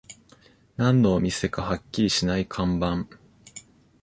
何のお店かはっきりしない看板